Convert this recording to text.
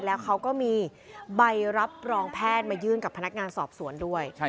แล้วเขาก็มีใบรับรองแพทย์มายื่นกับพนักงานสอบสวนด้วย